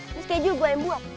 ini schedule gue yang buat